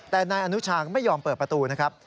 แต่นายอนุชาก็ไม่ยอมเปิดประตูนะครับ